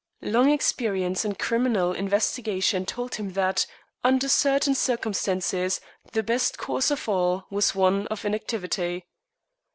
Long experience in criminal investigation told him that, under certain circumstances, the best course of all was one of inactivity.